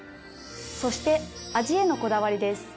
そして味へのこだわりです。